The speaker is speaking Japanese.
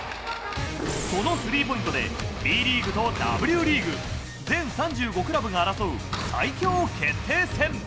そのスリーポイントで、ＢリーグとＷリーグ、全３５クラブが争う最強決定戦。